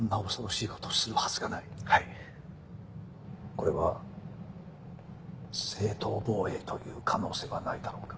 これは正当防衛という可能性はないだろうか？